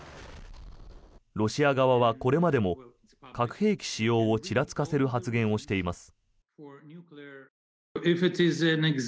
ロシア側はこれまでも核兵器使用をちらつかせる発言をしています。